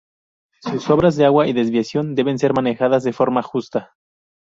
Sus obras de agua y desviación deben ser manejadas de forma justa.